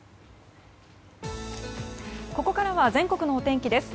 ここからは全国のお天気です。